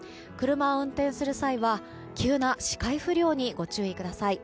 車を運転する際は急な視界不良にご注意ください。